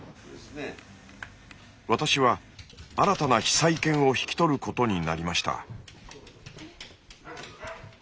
私は新たな被災犬を引き取ることになりました。